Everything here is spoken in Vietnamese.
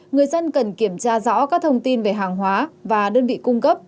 người dân cần kiểm tra rõ các thông tin về hàng hóa và đơn vị cung cấp